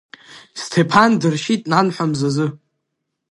Сҭеԥан дыршьит нанҳәа мзазы.